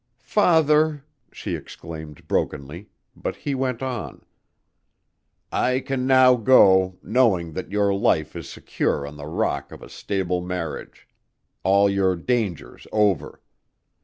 "Father!" she exclaimed brokenly, but he went on. "I can now go, knowing that your life is secure on the rock of a stable marriage: all your dangers over.